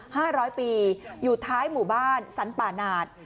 ห้าร้อยปีอยู่ท้ายหมู่บ้านสรรป่าหนาด